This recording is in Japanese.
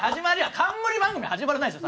冠番組は始まらないでしょ